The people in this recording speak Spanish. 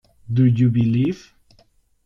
Do You Believe?